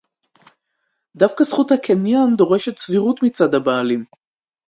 דווקא זכות הקניין דורשת סבירות מצד הבעלים